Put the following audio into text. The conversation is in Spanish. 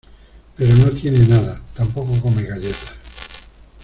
pero no tiene nada. tampoco come galletas .